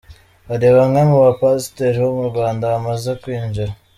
Hari bamwe mu ba pasiteri bo mu Rwanda bamaze kwinjira :